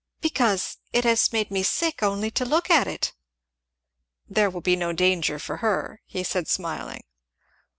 "Because it has made me sick only to look at it!" "There will be no danger for her," he said smiling.